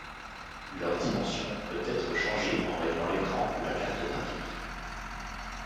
Leur dimension peut être changée en réglant l'écran ou la carte graphique.